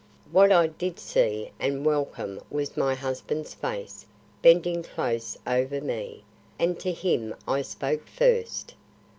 What I did see and welcome was my husband's face bending close over me, and to him I spoke first.